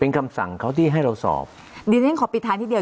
เป็นคำสั่งเขาที่ให้เราสอบดิฉันขอปิดท้ายนิดเดียว